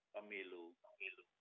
terima kasih mas